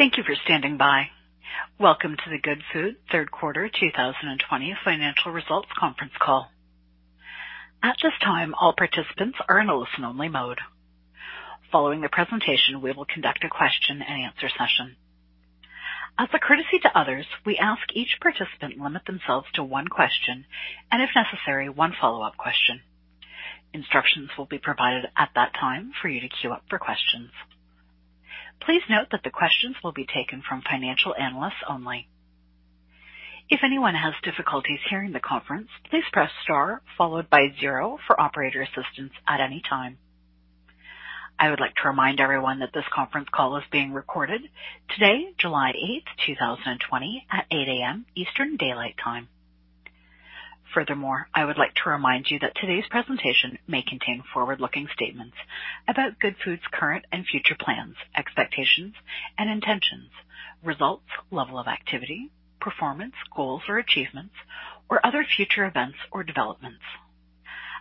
Thank you for standing by. Welcome to the Goodfood third quarter 2020 financial results conference call. At this time, all participants are in a listen-only mode. Following the presentation, we will conduct a question and answer session. As a courtesy to others, we ask each participant limit themselves to one question, and if necessary, one follow-up question. Instructions will be provided at that time for you to queue up for questions. Please note that the questions will be taken from financial analysts only. If anyone has difficulties hearing the conference, please press star followed by zero for operator assistance at any time. I would like to remind everyone that this conference call is being recorded today, July 8th, 2020, at 8:00 A.M. Eastern Daylight Time. Furthermore, I would like to remind you that today's presentation may contain forward-looking statements about Goodfood's current and future plans, expectations and intentions, results, level of activity, performance, goals or achievements, or other future events or developments.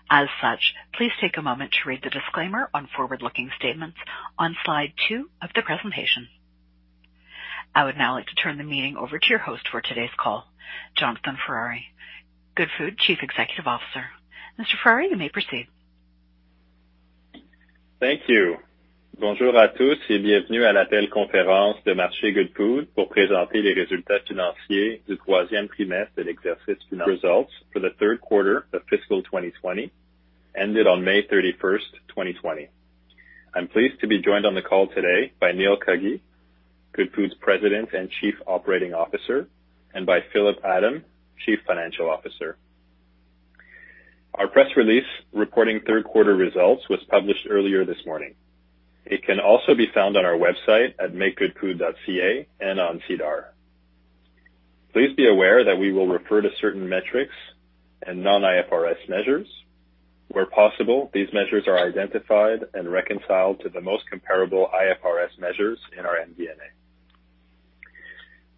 As such, please take a moment to read the disclaimer on forward-looking statements on slide two of the presentation. I would now like to turn the meeting over to your host for today's call, Jonathan Ferrari, Goodfood Chief Executive Officer. Mr. Ferrari, you may proceed. Thank you. Results for the third quarter of fiscal 2020 ended on May 31, 2020. I'm pleased to be joined on the call today by Neil Cuggy, Goodfood's President and Chief Operating Officer, and by Philippe Adam, Chief Financial Officer. Our press release reporting third quarter results was published earlier this morning. It can also be found on our website at makegoodfood.ca and on SEDAR. Please be aware that we will refer to certain metrics and non-IFRS measures. Where possible, these measures are identified and reconciled to the most comparable IFRS measures in our MD&A.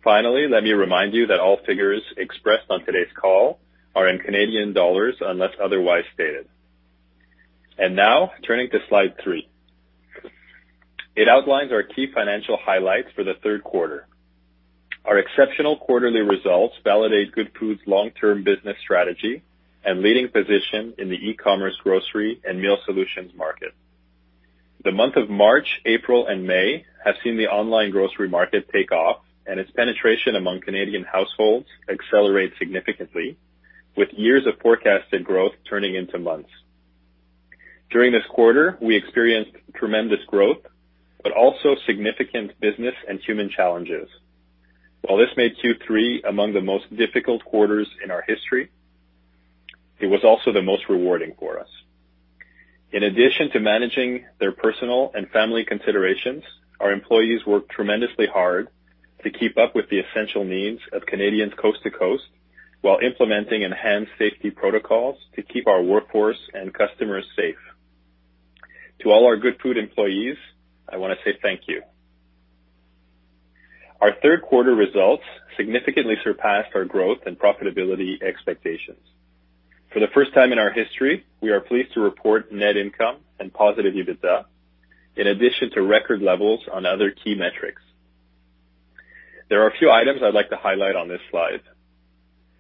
Finally, let me remind you that all figures expressed on today's call are in Canadian dollars unless otherwise stated. Now turning to slide three. It outlines our key financial highlights for the third quarter. Our exceptional quarterly results validate Goodfood's long-term business strategy and leading position in the e-commerce, grocery, and meal solutions market. The month of March, April, and May have seen the online grocery market take off, and its penetration among Canadian households accelerate significantly with years of forecasted growth turning into months. During this quarter, we experienced tremendous growth, but also significant business and human challenges. While this made Q3 among the most difficult quarters in our history, it was also the most rewarding for us. In addition to managing their personal and family considerations, our employees worked tremendously hard to keep up with the essential needs of Canadians coast to coast while implementing enhanced safety protocols to keep our workforce and customers safe. To all our Goodfood employees, I want to say thank you. Our third quarter results significantly surpassed our growth and profitability expectations. For the first time in our history, we are pleased to report net income and positive EBITDA, in addition to record levels on other key metrics. There are a few items I'd like to highlight on this slide.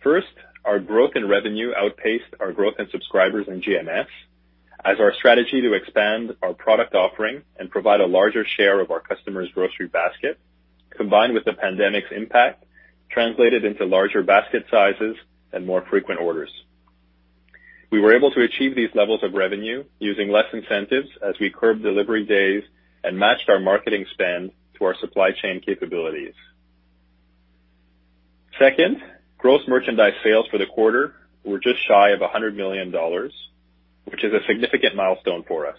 First, our growth in revenue outpaced our growth in subscribers and GMS as our strategy to expand our product offering and provide a larger share of our customers' grocery basket, combined with the pandemic's impact, translated into larger basket sizes and more frequent orders. We were able to achieve these levels of revenue using less incentives as we curbed delivery days and matched our marketing spend to our supply chain capabilities. Second, gross merchandise sales for the quarter were just shy of 100 million dollars, which is a significant milestone for us.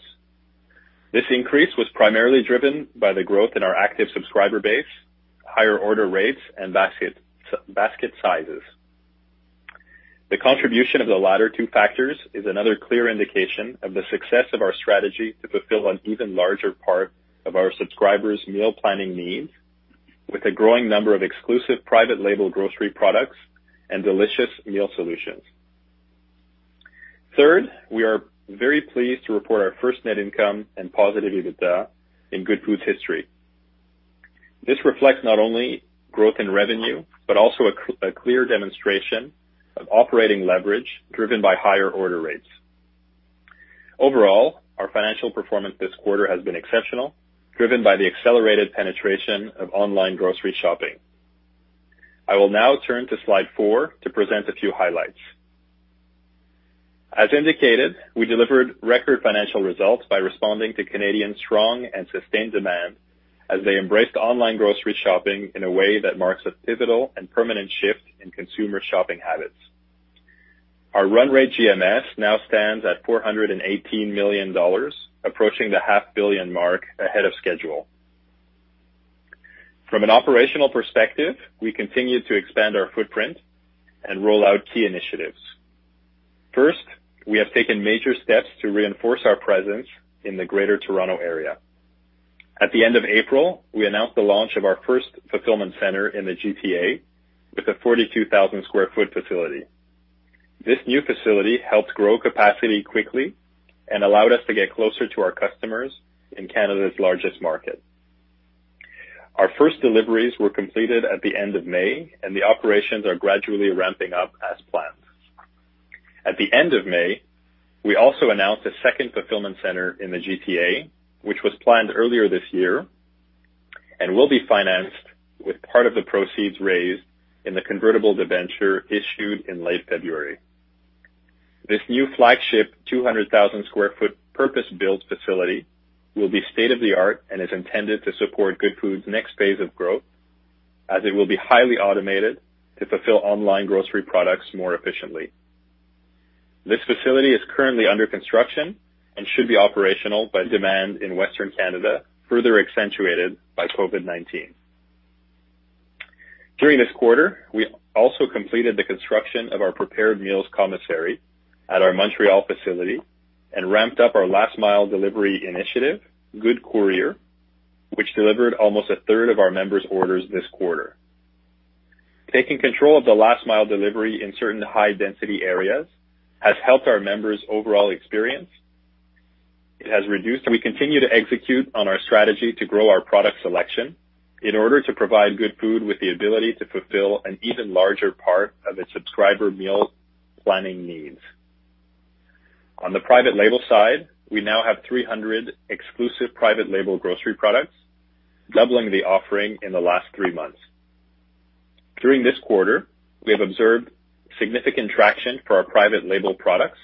This increase was primarily driven by the growth in our active subscriber base, higher order rates, and basket sizes. The contribution of the latter two factors is another clear indication of the success of our strategy to fulfill an even larger part of our subscribers' meal planning needs with a growing number of exclusive private label grocery products and delicious meal solutions. We are very pleased to report our first net income and positive EBITDA in Goodfood's history. This reflects not only growth in revenue, but also a clear demonstration of operating leverage driven by higher order rates. Our financial performance this quarter has been exceptional, driven by the accelerated penetration of online grocery shopping. I will now turn to slide four to present a few highlights. We delivered record financial results by responding to Canadians' strong and sustained demand as they embraced online grocery shopping in a way that marks a pivotal and permanent shift in consumer shopping habits. Our run rate GMS now stands at 418 million dollars, approaching the half billion mark ahead of schedule. From an operational perspective, we continue to expand our footprint and roll out key initiatives. First, we have taken major steps to reinforce our presence in the Greater Toronto Area. At the end of April, we announced the launch of our first fulfillment center in the GTA with a 42,000 sq ft facility. This new facility helped grow capacity quickly and allowed us to get closer to our customers in Canada's largest market. Our first deliveries were completed at the end of May, and the operations are gradually ramping up as planned. At the end of May, we also announced a second fulfillment center in the GTA, which was planned earlier this year and will be financed with part of the proceeds raised in the convertible debenture issued in late February. This new flagship 200,000 square foot purpose-built facility will be state-of-the-art and is intended to support Goodfood's next phase of growth, as it will be highly automated to fulfill online grocery products more efficiently. This facility is currently under construction and should be operational by demand in Western Canada, further accentuated by COVID-19. During this quarter, we also completed the construction of our prepared meals commissary at our Montreal facility and ramped up our last-mile delivery initiative, Goodcourier, which delivered almost a third of our members' orders this quarter. Taking control of the last mile delivery in certain high-density areas has helped our members' overall experience. We continue to execute on our strategy to grow our product selection in order to provide Goodfood with the ability to fulfill an even larger part of its subscriber meal planning needs. On the private label side, we now have 300 exclusive private label grocery products, doubling the offering in the last three months. During this quarter, we have observed significant traction for our private label products,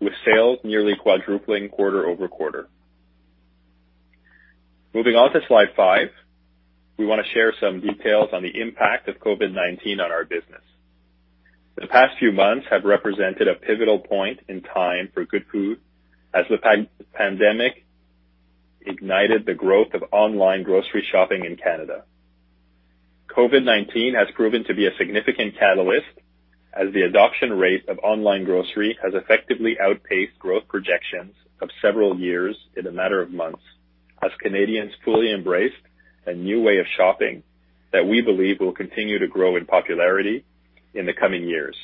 with sales nearly quadrupling quarter-over-quarter. Moving on to slide five, we want to share some details on the impact of COVID-19 on our business. The past few months have represented a pivotal point in time for Goodfood, as the pandemic ignited the growth of online grocery shopping in Canada. COVID-19 has proven to be a significant catalyst as the adoption rate of online grocery has effectively outpaced growth projections of several years in a matter of months, as Canadians fully embraced a new way of shopping that we believe will continue to grow in popularity in the coming years.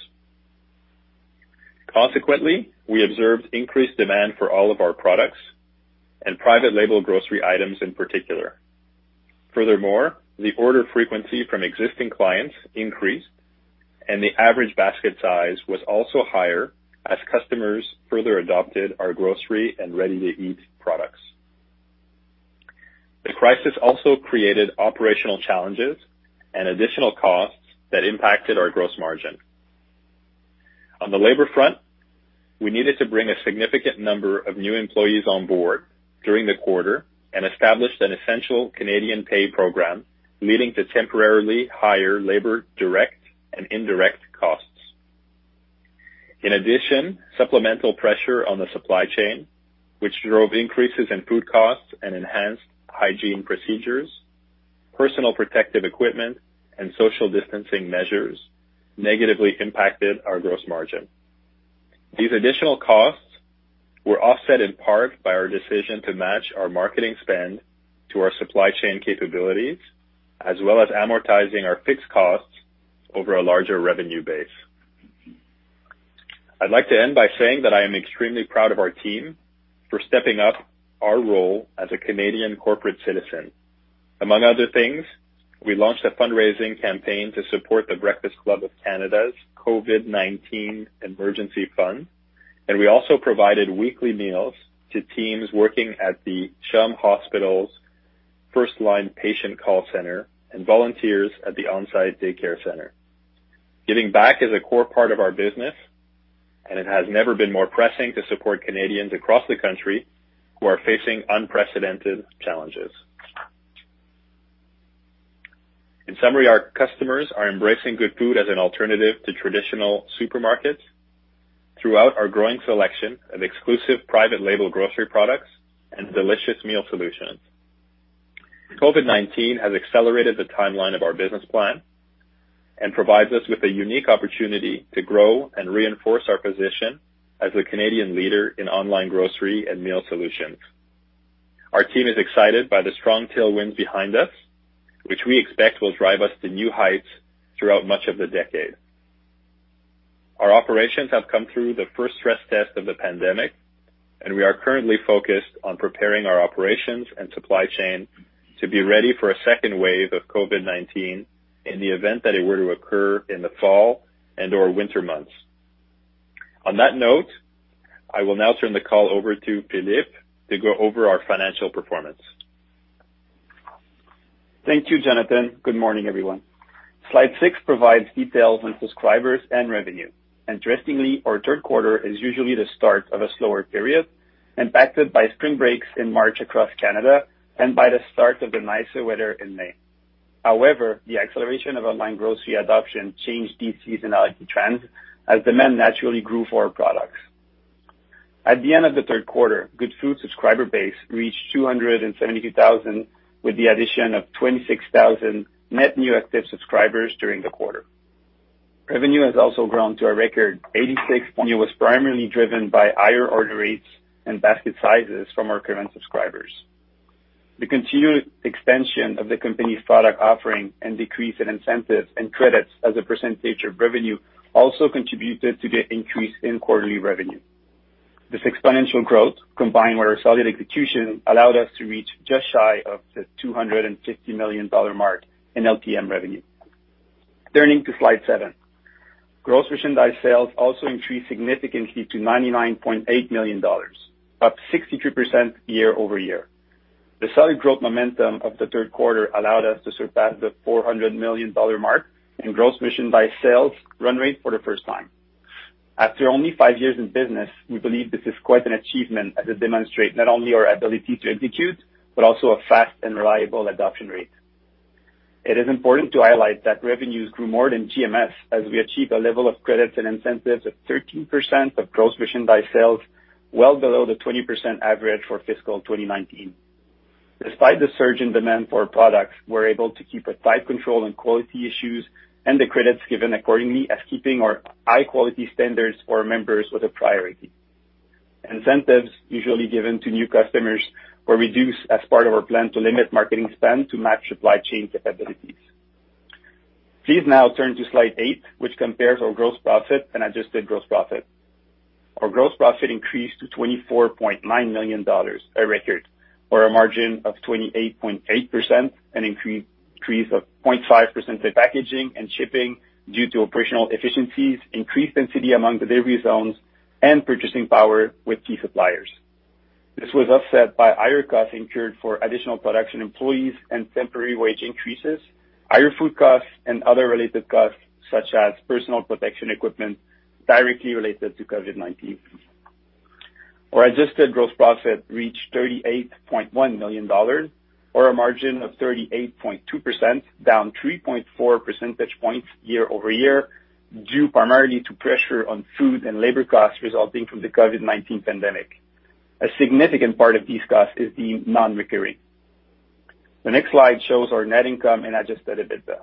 Consequently, we observed increased demand for all of our products and private label grocery items in particular. Furthermore, the order frequency from existing clients increased, and the average basket size was also higher as customers further adopted our grocery and ready-to-eat products. The crisis also created operational challenges and additional costs that impacted our gross margin. On the labor front, we needed to bring a significant number of new employees on board during the quarter and established an Essential Canadian Pay Program, leading to temporarily higher labor direct and indirect costs. In addition, supplemental pressure on the supply chain, which drove increases in food costs and enhanced hygiene procedures, personal protective equipment, and social distancing measures, negatively impacted our gross margin. These additional costs were offset in part by our decision to match our marketing spend to our supply chain capabilities, as well as amortizing our fixed costs over a larger revenue base. I'd like to end by saying that I am extremely proud of our team for stepping up our role as a Canadian corporate citizen. Among other things, we launched a fundraising campaign to support the Breakfast Club of Canada's COVID-19 Emergency Fund, and we also provided weekly meals to teams working at the CHUM Hospital's first-line patient call center and volunteers at the on-site daycare center. Giving back is a core part of our business, and it has never been more pressing to support Canadians across the country who are facing unprecedented challenges. In summary, our customers are embracing Goodfood as an alternative to traditional supermarkets throughout our growing selection of exclusive private label grocery products and delicious meal solutions. COVID-19 has accelerated the timeline of our business plan and provides us with a unique opportunity to grow and reinforce our position as a Canadian leader in online grocery and meal solutions. Our team is excited by the strong tailwinds behind us, which we expect will drive us to new heights throughout much of the decade. Our operations have come through the first stress test of the pandemic, and we are currently focused on preparing our operations and supply chain to be ready for a second wave of COVID-19 in the event that it were to occur in the fall and/or winter months. On that note, I will now turn the call over to Philippe to go over our financial performance. Thank you, Jonathan. Good morning, everyone. Slide six provides details on subscribers and revenue. Interestingly, our third quarter is usually the start of a slower period impacted by spring breaks in March across Canada and by the start of the nicer weather in May. However, the acceleration of online grocery adoption changed these seasonality trends as demand naturally grew for our products. At the end of the third quarter, Goodfood subscriber base reached 272,000, with the addition of 26,000 net new active subscribers during the quarter. Revenue has also grown to a record 86 million. It was primarily driven by higher order rates and basket sizes from our current subscribers. The continued expansion of the company's product offering and decrease in incentives and credits as a % of revenue also contributed to the increase in quarterly revenue. This exponential growth, combined with our solid execution, allowed us to reach just shy of the 250 million dollar mark in LTM revenue. Turning to slide seven. Gross merchandise sales also increased significantly to 99.8 million dollars, up 63% year-over-year. The solid growth momentum of the third quarter allowed us to surpass the 400 million dollar mark in gross merchandise sales run rate for the first time. After only five years in business, we believe this is quite an achievement as it demonstrates not only our ability to execute, but also a fast and reliable adoption rate. It is important to highlight that revenues grew more than GMS as we achieved a level of credits and incentives of 13% of gross merchandise sales, well below the 20% average for fiscal 2019. Despite the surge in demand for our products, we're able to keep a tight control on quality issues and the credits given accordingly as keeping our high quality standards for our members was a priority. Incentives usually given to new customers were reduced as part of our plan to limit marketing spend to match supply chain capabilities. Please now turn to slide eight, which compares our gross profit and adjusted gross profit. Our gross profit increased to 24.9 million dollars, a record, or a margin of 28.8%, an increase of 0.5% in packaging and shipping due to operational efficiencies, increased density among delivery zones, and purchasing power with key suppliers. This was offset by higher costs incurred for additional production employees and temporary wage increases, higher food costs, and other related costs such as personal protection equipment directly related to COVID-19. Our adjusted gross profit reached 38.1 million dollars, or a margin of 38.2%, down 3.4 percentage points year-over-year, due primarily to pressure on food and labor costs resulting from the COVID-19 pandemic. A significant part of these costs is deemed non-recurring. The next slide shows our net income and adjusted EBITDA.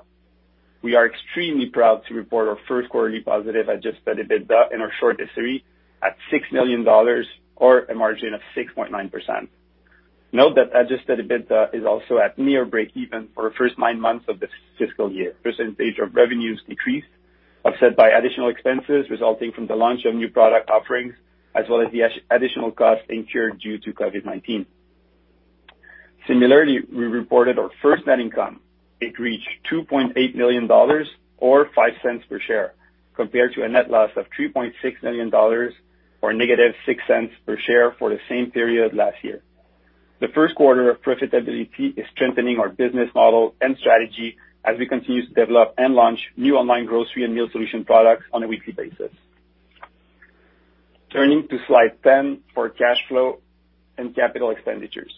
We are extremely proud to report our first quarterly positive adjusted EBITDA in our short history at 6 million dollars, or a margin of 6.9%. Note that adjusted EBITDA is also at near breakeven for the first nine months of the fiscal year. Percentage of revenues decreased, offset by additional expenses resulting from the launch of new product offerings, as well as the additional costs incurred due to COVID-19. Similarly, we reported our first net income. It reached 2.8 million dollars or 0.05 per share, compared to a net loss of 3.6 million dollars or negative 0.06 per share for the same period last year. The first quarter of profitability is strengthening our business model and strategy as we continue to develop and launch new online grocery and meal solution products on a weekly basis. Turning to slide 10 for cash flow and capital expenditures.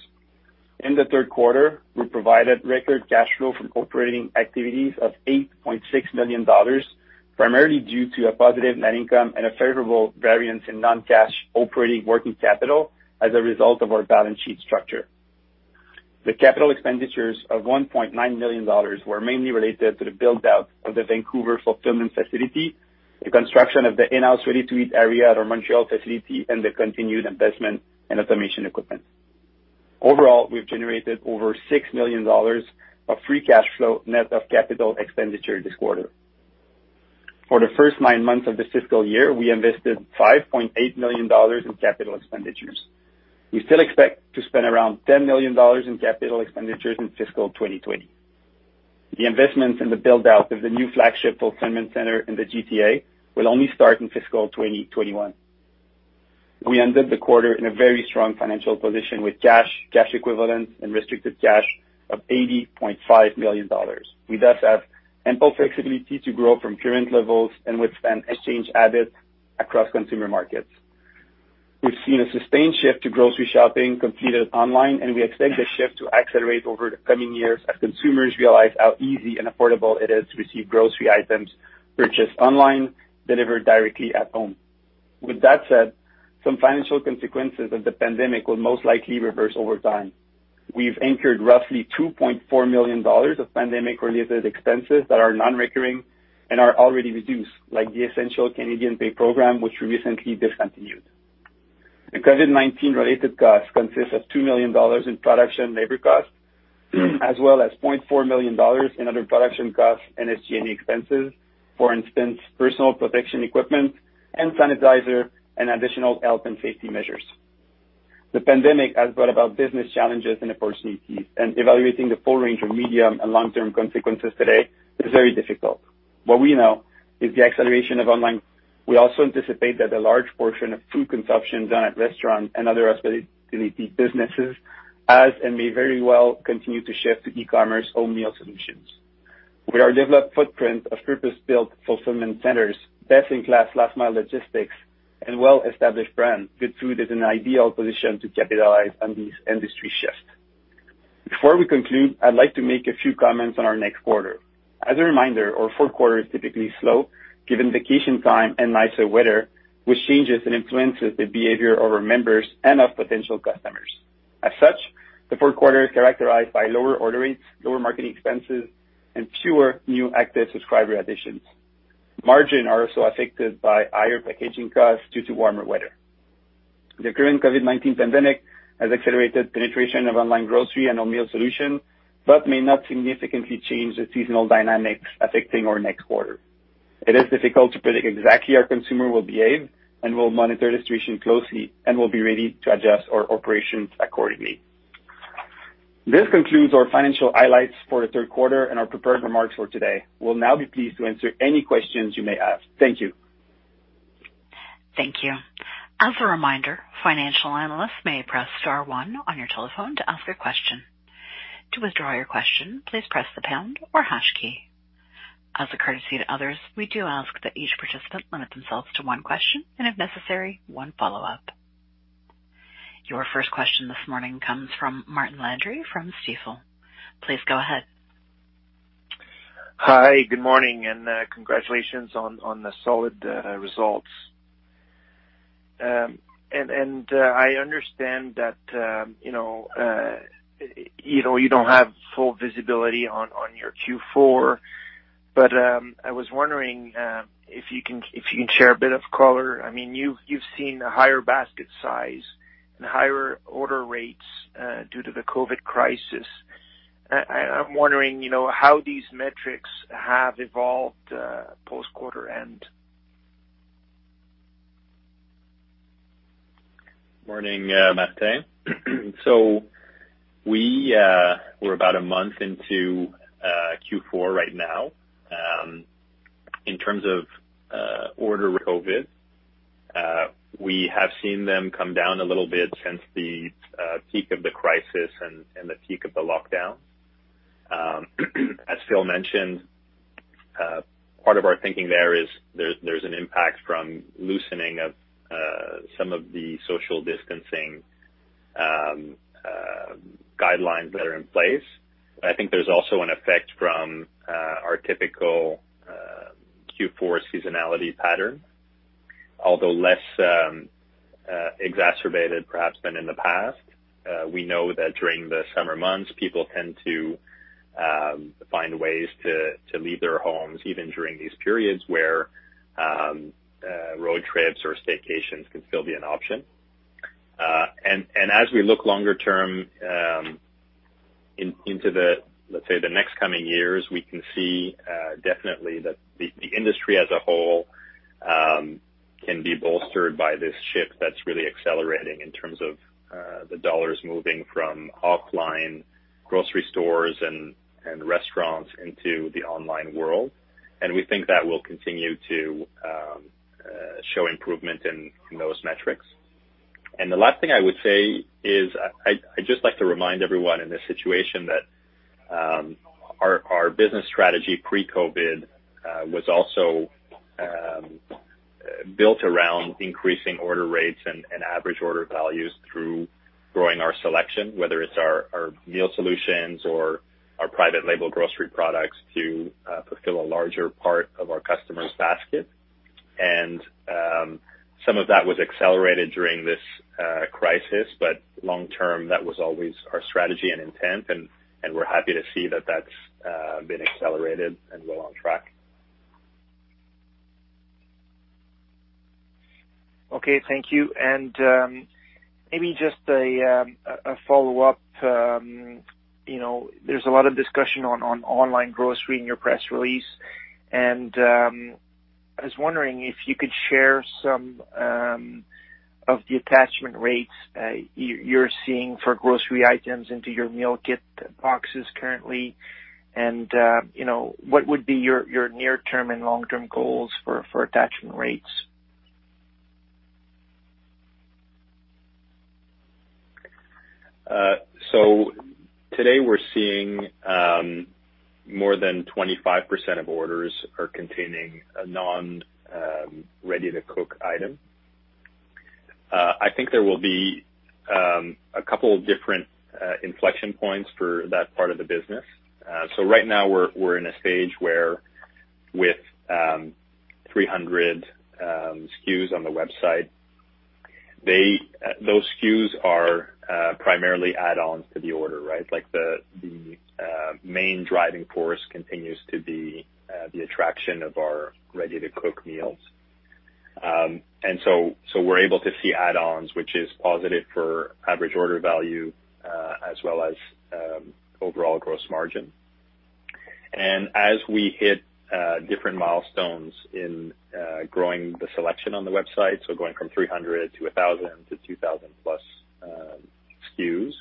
In the third quarter, we provided record cash flow from operating activities of 8.6 million dollars, primarily due to a positive net income and a favorable variance in non-cash operating working capital as a result of our balance sheet structure. The capital expenditures of 1.9 million dollars were mainly related to the build-out of the Vancouver fulfillment facility, the construction of the in-house ready-to-eat area at our Montreal facility, and the continued investment in automation equipment. Overall, we've generated over 6 million dollars of free cash flow net of capital expenditure this quarter. For the first nine months of this fiscal year, we invested 5.8 million dollars in capital expenditures. We still expect to spend around 10 million dollars in capital expenditures in fiscal 2020. The investments in the build-out of the new flagship fulfillment center in the GTA will only start in fiscal 2021. We ended the quarter in a very strong financial position with cash equivalents, and restricted cash of 80.5 million dollars. We thus have ample flexibility to grow from current levels and withstand exchange habits across consumer markets. We've seen a sustained shift to grocery shopping completed online. We expect this shift to accelerate over the coming years as consumers realize how easy and affordable it is to receive grocery items purchased online, delivered directly at home. With that said, some financial consequences of the pandemic will most likely reverse over time. We've incurred roughly 2.4 million dollars of pandemic-related expenses that are non-recurring and are already reduced, like the Essential Canadian Pay Program, which we recently discontinued. The COVID-19 related costs consist of 2 million dollars in production labor costs, as well as 0.4 million dollars in other production costs and SG&A expenses. For instance, personal protection equipment and sanitizer and additional health and safety measures. The pandemic has brought about business challenges and opportunities, and evaluating the full range of medium and long-term consequences today is very difficult. What we know is the acceleration of online. We also anticipate that a large portion of food consumption done at restaurants and other hospitality businesses has and may very well continue to shift to e-commerce home meal solutions. With our developed footprint of purpose-built fulfillment centers, best-in-class last-mile logistics, and well-established brand, Goodfood is in an ideal position to capitalize on these industry shifts. Before we conclude, I'd like to make a few comments on our next quarter. As a reminder, our fourth quarter is typically slow given vacation time and nicer weather, which changes and influences the behavior of our members and of potential customers. As such, the fourth quarter is characterized by lower order rates, lower marketing expenses, and fewer new active subscriber additions. Margin are also affected by higher packaging costs due to warmer weather. The current COVID-19 pandemic has accelerated penetration of online grocery and home meal solutions, but may not significantly change the seasonal dynamics affecting our next quarter. It is difficult to predict exactly how consumer will behave, we'll monitor the situation closely and will be ready to adjust our operations accordingly. This concludes our financial highlights for the third quarter and our prepared remarks for today. We'll now be pleased to answer any questions you may have. Thank you. Thank you. As a reminder, financial analysts may press star one on your telephone to ask a question. To withdraw your question, please press the pound or hash key. As a courtesy to others, we do ask that each participant limit themselves to one question, and if necessary, one follow-up. Your first question this morning comes from Martin Landry from Stifel. Please go ahead. Hi, good morning. Congratulations on the solid results. I understand that you don't have full visibility on your Q4, but I was wondering if you can share a bit of color. You've seen a higher basket size and higher order rates due to the COVID crisis. I'm wondering how these metrics have evolved post-quarter end. Morning, Martin. We're about a month into Q4 right now. In terms of order COVID, we have seen them come down a little bit since the peak of the crisis and the peak of the lockdown. As Phil mentioned, part of our thinking there is there's an impact from loosening of some of the social distancing guidelines that are in place. I think there's also an effect from our typical Q4 seasonality pattern, although less exacerbated perhaps than in the past. We know that during the summer months, people tend to find ways to leave their homes, even during these periods where road trips or staycations can still be an option. As we look longer term into the, let's say, the next coming years, we can see definitely that the industry as a whole can be bolstered by this shift that's really accelerating in terms of the dollars moving from offline grocery stores and restaurants into the online world. We think that will continue to show improvement in those metrics. The last thing I would say is, I'd just like to remind everyone in this situation that our business strategy pre-COVID was also built around increasing order rates and average order values through growing our selection, whether it's our meal solutions or our private label grocery products to fulfill a larger part of our customers' basket. Some of that was accelerated during this crisis, but long term, that was always our strategy and intent, and we're happy to see that that's been accelerated and well on track. Okay, thank you. Maybe just a follow-up. There's a lot of discussion on online grocery in your press release, and I was wondering if you could share some of the attachment rates you're seeing for grocery items into your meal kit boxes currently, and what would be your near term and long term goals for attachment rates? Today we're seeing more than 25% of orders are containing a non-ready-to-cook item. I think there will be a couple of different inflection points for that part of the business. Right now we're in a stage where with 300 SKUs on the website, those SKUs are primarily add-ons to the order. The main driving force continues to be the attraction of our ready-to-cook meals. We're able to see add-ons, which is positive for average order value as well as overall gross margin. As we hit different milestones in growing the selection on the website, so going from 300 to 1,000 to 2,000 plus SKUs,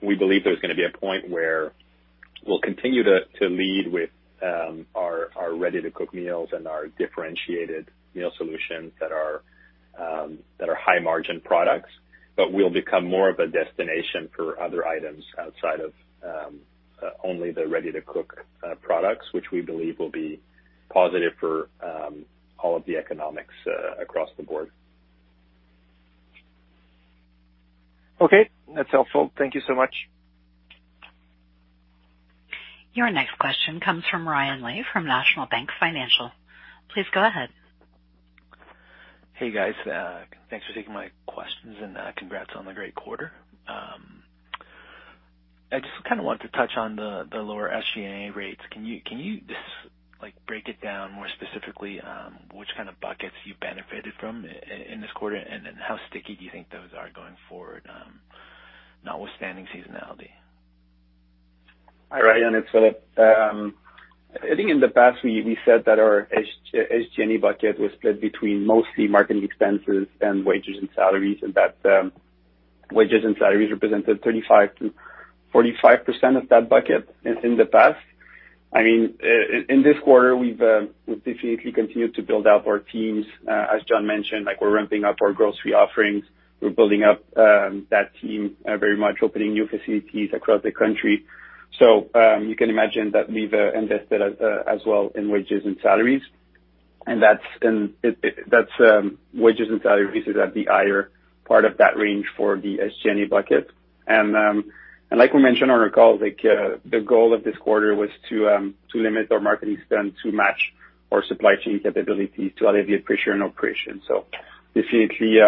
we believe there's going to be a point where we'll continue to lead with our ready-to-cook meals and our differentiated meal solutions that are high margin products, but we'll become more of a destination for other items outside of only the ready-to-cook products, which we believe will be positive for all of the economics across the board. Okay, that's helpful. Thank you so much. Your next question comes from Ryan Lamey from National Bank Financial. Please go ahead. Hey, guys. Thanks for taking my questions and congrats on the great quarter. I just want to touch on the lower SG&A rates. Can you just break it down more specifically, which kind of buckets you benefited from in this quarter, and then how sticky do you think those are going forward, notwithstanding seasonality? Hi, Ryan. It's Philippe. I think in the past, we said that our SG&A bucket was split between mostly marketing expenses and wages and salaries, and that wages and salaries represented 35%-45% of that bucket in the past. In this quarter, we've definitely continued to build out our teams. As John mentioned, we're ramping up our grocery offerings. We're building up that team very much, opening new facilities across the country. You can imagine that we've invested as well in wages and salaries. That's wages and salaries is at the higher part of that range for the SG&A bucket. Like we mentioned on our call, the goal of this quarter was to limit our marketing spend to match our supply chain capabilities to alleviate pressure on operations. Definitely,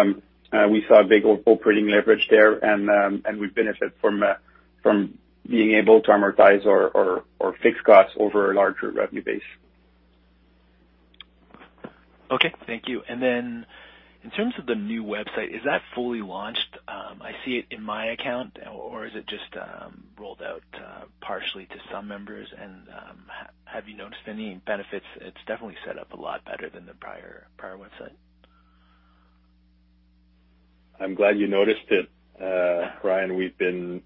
we saw a big operating leverage there, and we benefit from being able to amortize our fixed costs over a larger revenue base. Okay, thank you. In terms of the new website, is that fully launched? I see it in my account, or is it just rolled out partially to some members? Have you noticed any benefits? It's definitely set up a lot better than the prior website. I'm glad you noticed it, Ryan. We've been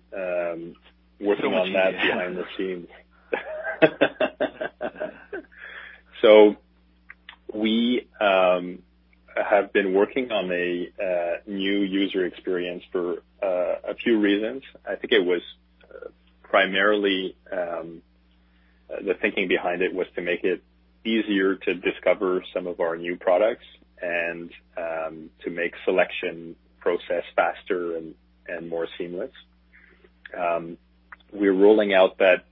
working on that behind the scenes. We have been working on a new user experience for a few reasons. I think it was primarily the thinking behind it was to make it easier to discover some of our new products and to make selection process faster and more seamless. We're rolling out that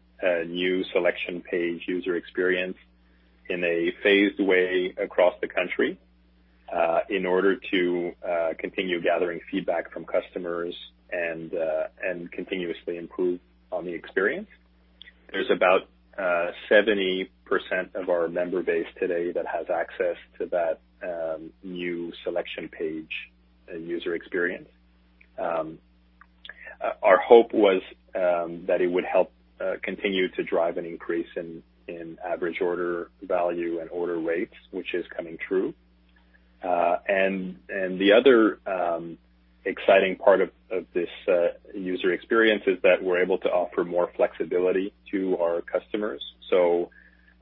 new selection page user experience in a phased way across the country in order to continue gathering feedback from customers and continuously improve on the experience. There's about 70% of our member base today that has access to that new selection page and user experience. Our hope was that it would help continue to drive an increase in average order value and order rates, which is coming true. The other exciting part of this user experience is that we're able to offer more flexibility to our customers.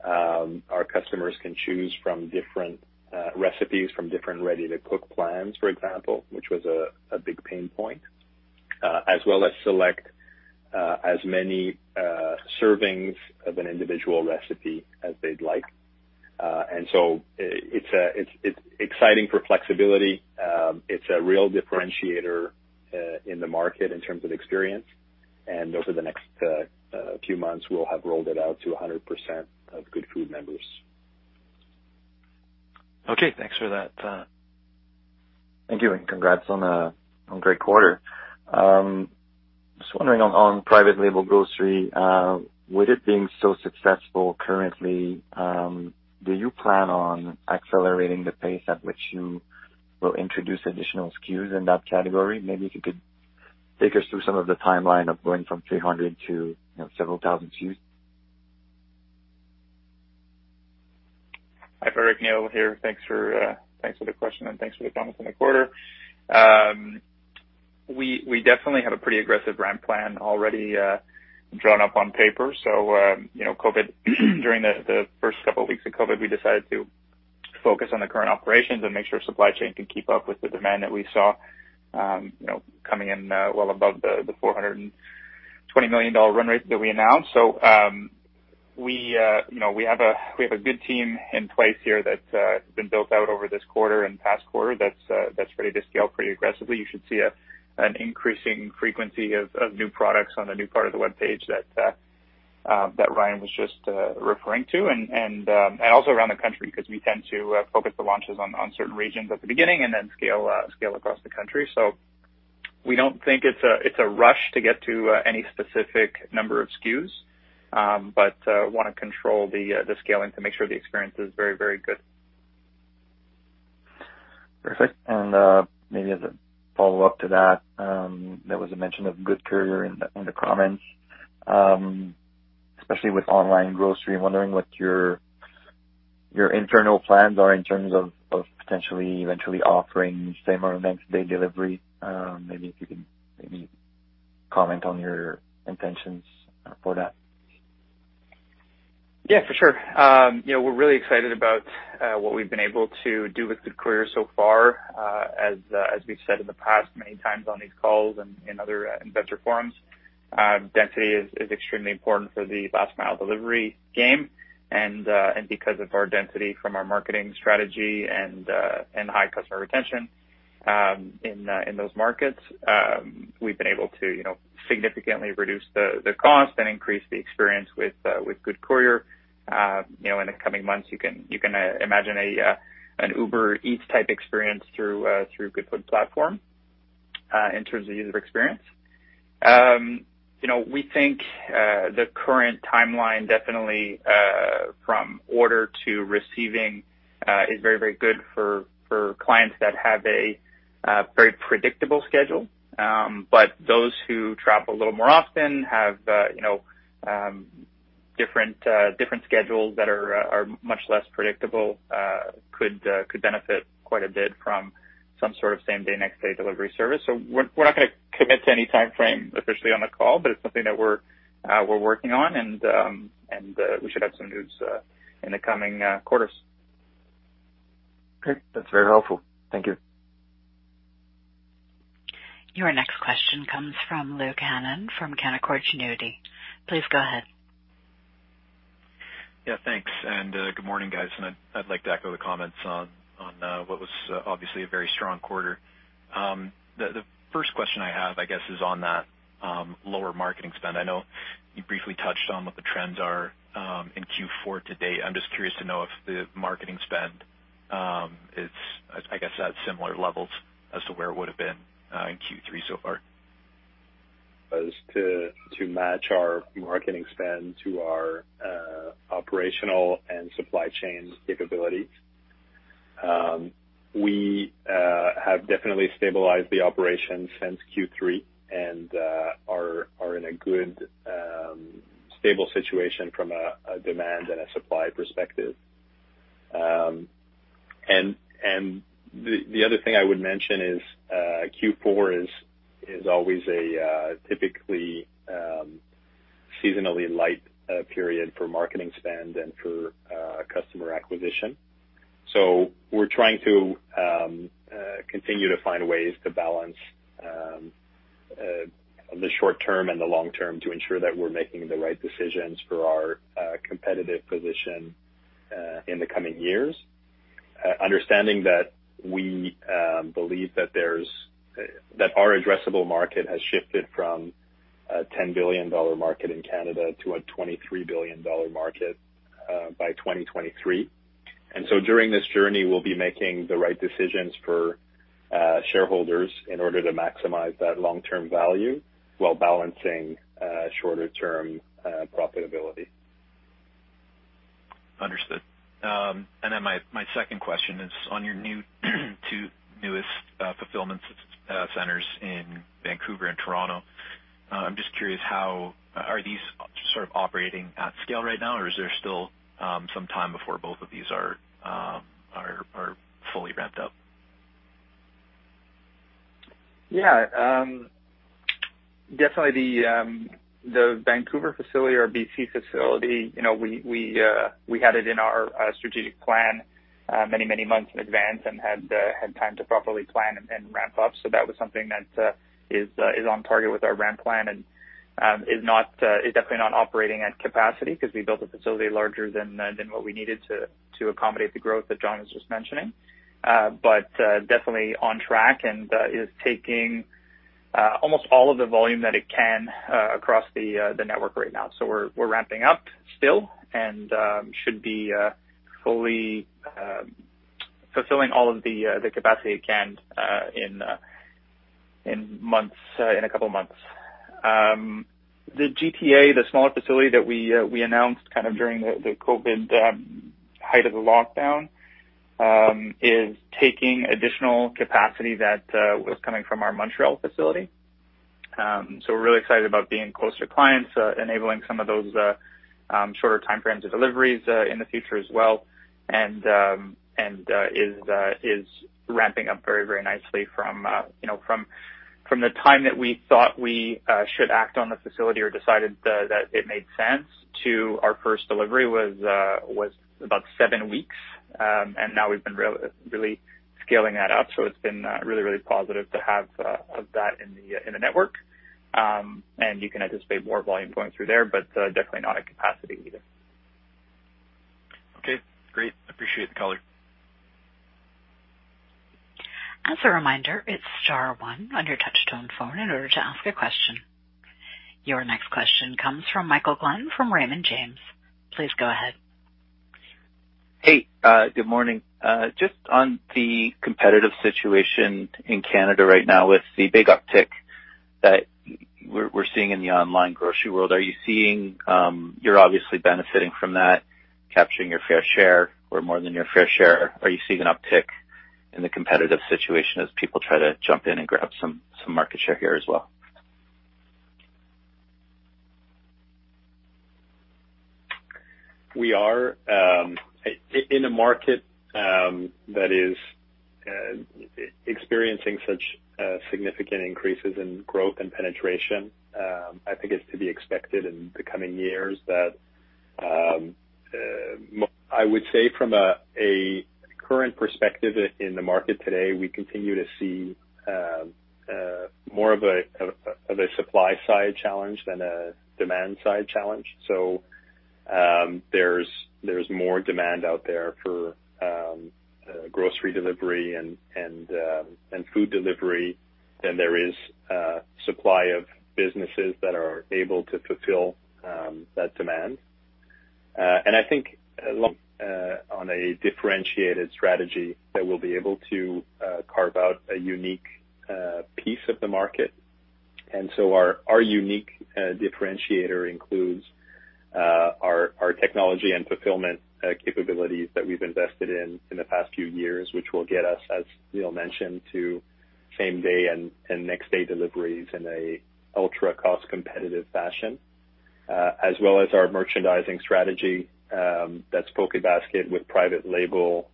Our customers can choose from different recipes, from different ready-to-cook plans, for example, which was a big pain point, as well as select as many servings of an individual recipe as they'd like. It's exciting for flexibility. It's a real differentiator in the market in terms of experience. Over the next few months, we'll have rolled it out to 100% of Goodfood members. Okay, thanks for that. Thank you, and congrats on a great quarter. Just wondering on private label grocery, with it being so successful currently, do you plan on accelerating the pace at which you will introduce additional SKUs in that category? Maybe if you could take us through some of the timeline of going from 300 to several thousand SKUs. Hi, Eric. Neil here. Thanks for the question and thanks for the comments on the quarter. We definitely have a pretty aggressive ramp plan already drawn up on paper. During the first couple of weeks of COVID-19, we decided to focus on the current operations and make sure supply chain can keep up with the demand that we saw coming in well above the 420 million dollar run rate that we announced. We have a good team in place here that's been built out over this quarter and past quarter that's ready to scale pretty aggressively. You should see an increasing frequency of new products on the new part of the webpage that Ryan was just referring to, and also around the country, because we tend to focus the launches on certain regions at the beginning and then scale across the country. We don't think it's a rush to get to any specific number of SKUs, but want to control the scaling to make sure the experience is very, very good. Perfect. Maybe as a follow-up to that, there was a mention of Goodcourier in the comments. Especially with online grocery, I am wondering what your internal plans are in terms of potentially eventually offering same or next day delivery. Maybe if you could comment on your intentions for that. Yeah, for sure. We're really excited about what we've been able to do with Goodcourier so far. As we've said in the past many times on these calls and in other investor forums, density is extremely important for the last mile delivery game. Because of our density from our marketing strategy and high customer retention in those markets, we've been able to significantly reduce the cost and increase the experience with Goodcourier. In the coming months, you can imagine an Uber Eats type experience through Goodfood platform in terms of user experience. We think the current timeline definitely from order to receiving is very, very good for clients that have a very predictable schedule. But those who travel a little more often have different schedules that are much less predictable could benefit quite a bit from some sort of same-day, next-day delivery service. We're not going to commit to any timeframe officially on the call, but it's something that we're working on and we should have some news in the coming quarters. Great. That's very helpful. Thank you. Your next question comes from Luke Hannan from Canaccord Genuity. Please go ahead. Yeah, thanks, and good morning, guys. I'd like to echo the comments on what was obviously a very strong quarter. The first question I have, I guess, is on that lower marketing spend. I know you briefly touched on what the trends are in Q4 to date. I'm just curious to know if the marketing spend is, I guess, at similar levels as to where it would've been in Q3 so far. As to match our marketing spend to our operational and supply chain capabilities. We have definitely stabilized the operation since Q3 and are in a good stable situation from a demand and a supply perspective. The other thing I would mention is Q4 is always a typically seasonally light period for marketing spend and for customer acquisition. We're trying to continue to find ways to balance the short term and the long term to ensure that we're making the right decisions for our competitive position in the coming years. Understanding that we believe that our addressable market has shifted from a 10 billion dollar market in Canada to a 23 billion dollar market by 2023. During this journey, we'll be making the right decisions for shareholders in order to maximize that long-term value while balancing shorter-term profitability. Understood. My second question is on your two newest fulfillment centers in Vancouver and Toronto. I'm just curious, are these sort of operating at scale right now or is there still some time before both of these are fully ramped up? Definitely the Vancouver facility or BC facility, we had it in our strategic plan many months in advance and had time to properly plan and ramp up. That was something that is on target with our ramp plan and is definitely not operating at capacity because we built a facility larger than what we needed to accommodate the growth that John was just mentioning. Definitely on track and is taking almost all of the volume that it can across the network right now. We're ramping up still and should be fully fulfilling all of the capacity it can in a couple of months. The GTA, the smaller facility that we announced kind of during the COVID height of the lockdown, is taking additional capacity that was coming from our Montreal facility. We're really excited about being closer to clients, enabling some of those shorter timeframes of deliveries in the future as well, and is ramping up very nicely from the time that we thought we should act on the facility or decided that it made sense to our first delivery was about seven weeks, and now we've been really scaling that up. It's been really positive to have that in the network. You can anticipate more volume going through there, but definitely not at capacity either. Okay, great. Appreciate the color. As a reminder, it's star one on your touch-tone phone in order to ask a question. Your next question comes from Michael Glen from Raymond James. Please go ahead. Hey, good morning. Just on the competitive situation in Canada right now with the big uptick that we're seeing in the online grocery world, you're obviously benefiting from that, capturing your fair share or more than your fair share. Are you seeing an uptick in the competitive situation as people try to jump in and grab some market share here as well? We are in a market that is experiencing such significant increases in growth and penetration. I think it's to be expected in the coming years that I would say from a current perspective in the market today, we continue to see more of a supply side challenge than a demand side challenge. There's more demand out there for grocery delivery and food delivery There is a supply of businesses that are able to fulfill that demand. I think on a differentiated strategy that we'll be able to carve out a unique piece of the market. Our unique differentiator includes our technology and fulfillment capabilities that we've invested in in the past few years, which will get us, as Neil mentioned, to same day and next day deliveries in a ultra cost competitive fashion, as well as our merchandising strategy. That's Pokét Basket with private label,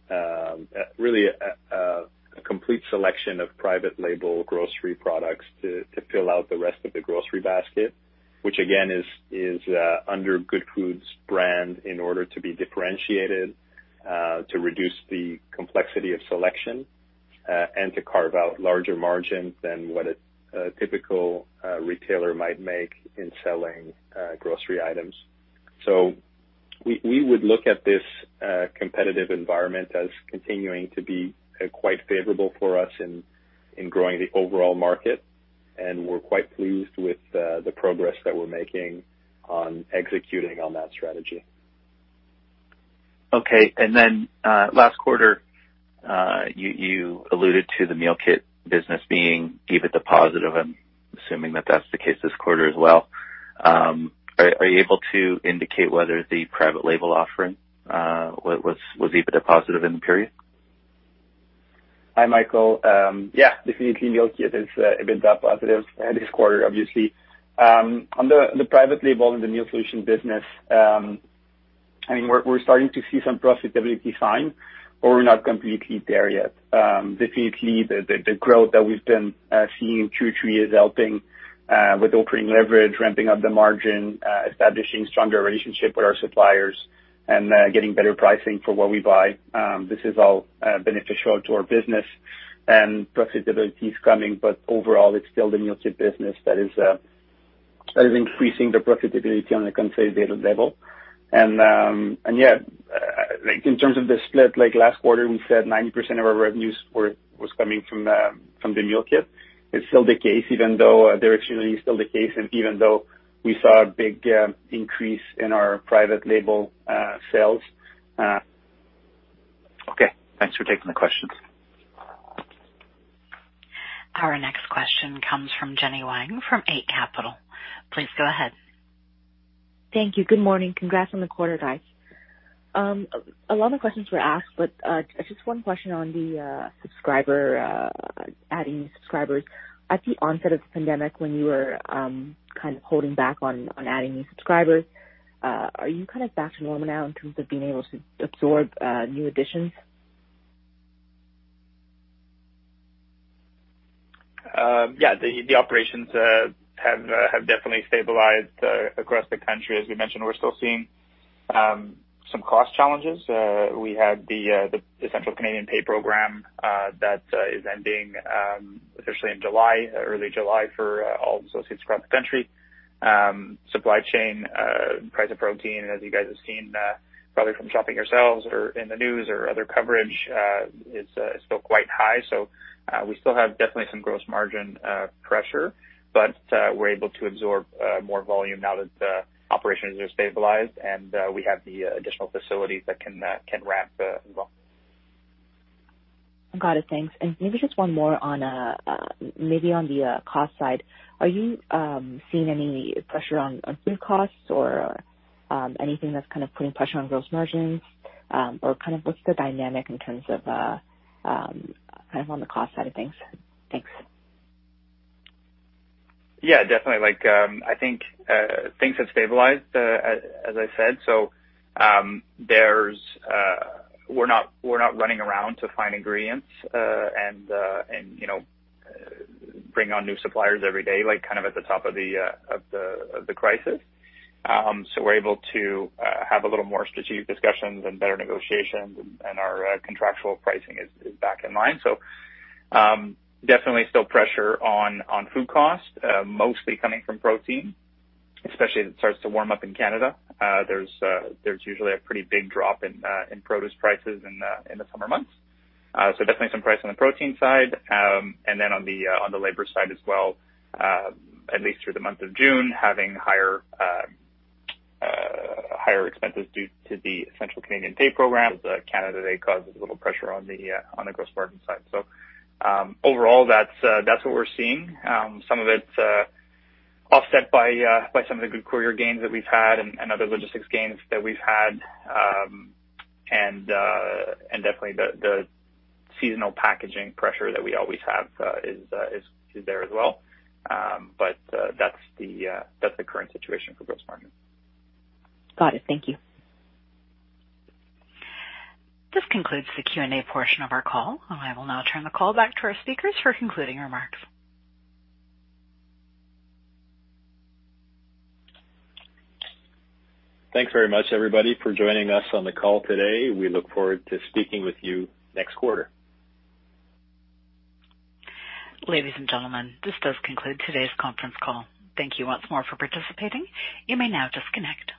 really a complete selection of private label grocery products to fill out the rest of the grocery basket, which again, is under Goodfood's brand in order to be differentiated, to reduce the complexity of selection, and to carve out larger margins than what a typical retailer might make in selling grocery items. We would look at this competitive environment as continuing to be quite favorable for us in growing the overall market. We're quite pleased with the progress that we're making on executing on that strategy. Okay. Last quarter, you alluded to the meal kit business being, EBITDA positive. I'm assuming that that's the case this quarter as well. Are you able to indicate whether the private label offering was EBITDA positive in the period? Hi, Michael. Yeah, definitely meal kit is EBITDA positive this quarter, obviously. On the private label in the meal solution business, we're starting to see some profitability sign, but we're not completely there yet. Definitely the growth that we've been seeing in Q3 is helping with operating leverage, ramping up the margin, establishing stronger relationship with our suppliers and getting better pricing for what we buy. This is all beneficial to our business and profitability is coming, but overall, it's still the meal kit business that is increasing the profitability on a consolidated level. Yeah, in terms of the split, like last quarter, we said 90% of our revenues was coming from the meal kit. It's still the case, even though directionally is still the case, and even though we saw a big increase in our private label sales. Okay. Thanks for taking the questions. Our next question comes from Jenny Wang from Eight Capital. Please go ahead. Thank you. Good morning. Congrats on the quarter, guys. A lot of questions were asked, just one question on the subscriber, adding new subscribers. At the onset of the pandemic, when you were kind of holding back on adding new subscribers, are you kind of back to normal now in terms of being able to absorb new additions? Yeah, the operations have definitely stabilized across the country. As we mentioned, we're still seeing some cost challenges. We had the Canada Emergency Wage Subsidy, that is ending officially in July, early July for all associates across the country. Supply chain, price of protein, as you guys have seen, probably from shopping yourselves or in the news or other coverage, is still quite high. We still have definitely some gross margin pressure, but we're able to absorb more volume now that the operations are stabilized and we have the additional facilities that can ramp as well. Got it. Thanks. Maybe just one more on maybe on the cost side. Are you seeing any pressure on food costs or anything that's kind of putting pressure on gross margins? What's the dynamic in terms of on the cost side of things? Thanks. Yeah, definitely. I think things have stabilized, as I said. We're not running around to find ingredients, and bring on new suppliers every day, like kind of at the top of the crisis. We're able to have a little more strategic discussions and better negotiations, and our contractual pricing is back in line. Definitely still pressure on food cost, mostly coming from protein, especially as it starts to warm up in Canada. There's usually a pretty big drop in produce prices in the summer months. Definitely some price on the protein side. On the labor side as well, at least through the month of June, having higher expenses due to the Canada Emergency Wage Subsidy. The Canada Day causes a little pressure on the gross margin side. Overall that's what we're seeing. Some of it offset by some of the Goodcourier gains that we've had and other logistics gains that we've had. Definitely the seasonal packaging pressure that we always have is there as well. That's the current situation for gross margin. Got it. Thank you. This concludes the Q&A portion of our call. I will now turn the call back to our speakers for concluding remarks. Thanks very much, everybody, for joining us on the call today. We look forward to speaking with you next quarter. Ladies and gentlemen, this does conclude today's conference call. Thank you once more for participating. You may now disconnect.